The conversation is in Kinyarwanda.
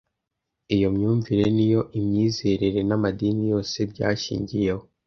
Iyo myumvire ni yo imyizerere n’amadini yose byashingiyeho